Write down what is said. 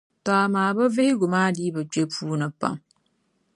Tͻ amaa bɛ vihigu maa dii bi kpe puuni pam.